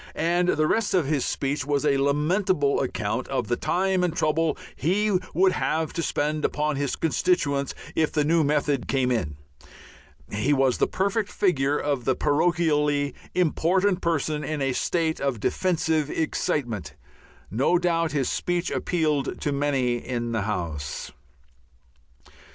And the rest of his speech was a lamentable account of the time and trouble he would have to spend upon his constituents if the new method came in. He was the perfect figure of the parochially important person in a state of defensive excitement. No doubt his speech appealed to many in the House.